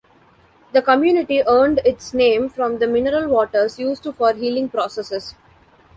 The community earned its name from the mineral waters used for healing processes.